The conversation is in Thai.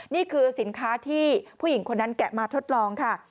นี่คือสินค้าที่ผู้หญิงคนนั้นแกะมาทดลองค่ะ